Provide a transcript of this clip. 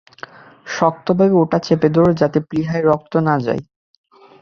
শক্তভাবে ওটা চেপে ধরো যাতে প্লীহায় রক্ত না যায়।